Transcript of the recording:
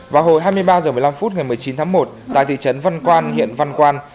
vào hồi hai mươi ba h một mươi năm phút ngày một mươi chín tháng một tại thị trấn văn quan huyện văn quan